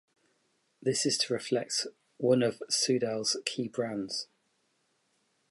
This is to reflect one of Soudal's key brands.